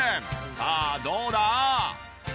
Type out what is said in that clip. さあどうだ？